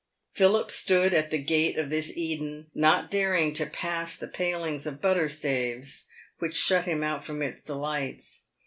Philip stood at the gate of this Eden, not daring to pass the palings of butter staves, which shut him out from its delights.